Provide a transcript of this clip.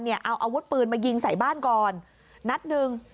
เอาอาวุธปืนมายิงใส่บ้านก่อนนัดหนึ่ง